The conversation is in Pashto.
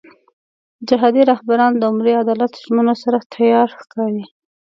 جهادي رهبران د عمري عدالت ژمنو سره تیار ښکاري.